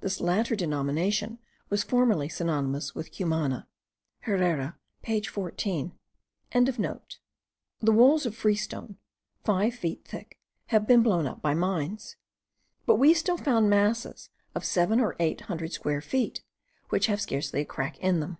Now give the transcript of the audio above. This latter denomination was formerly synonymous with Cumana. Herrera, page 14.) The walls of freestone, five feet thick, have been blown up by mines; but we still found masses of seven or eight hundred feet square, which have scarcely a crack in them.